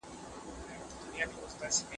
مطالعې ته هڅونه د علمي پرمختګ سبب دی.